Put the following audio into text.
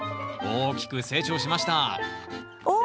大きく成長しましたおお！